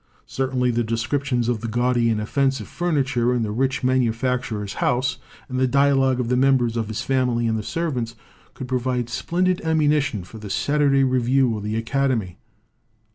Certainly the descriptions of the gaudy and offensive furniture in the rich manu facturer's house and the dialogue of the members of his family and the servants could provide splen did ammunition for the Saturday Review or The Academy.